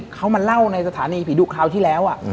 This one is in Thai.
เขามาเล่าในสถานีผีดุคราวที่แล้ว